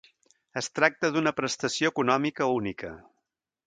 Es tracta d'una prestació econòmica única.